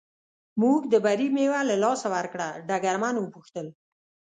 موږ د بري مېوه له لاسه ورکړه، ډګرمن و پوښتل.